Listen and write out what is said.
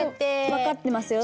分かってますよ。